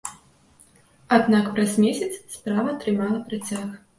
Аднак праз месяц справа атрымала працяг.